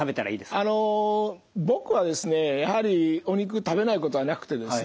あの僕はですねやはりお肉食べないことはなくてですね